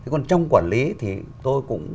còn trong quản lý thì tôi cũng